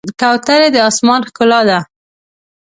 کوترې د آسمان ښکلا ده.